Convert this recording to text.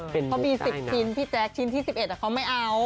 เขามี๑๐ชิ้นพี่แจ๊คชิ้นที่๑๑เขาไม่เอา